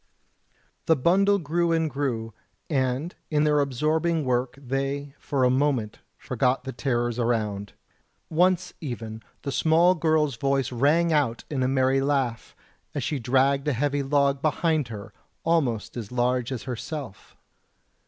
The bundle grew and grew, and in their absorbing work they for a moment forgot the terrors around; once even the small girl's voice rang out in a merry laugh, as she dragged a heavy log behind her, almost as large as herself.